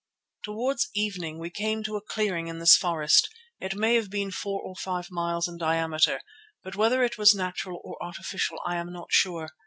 Towards evening we came to a clearing in this forest, it may have been four or five miles in diameter, but whether it was natural or artificial I am not sure.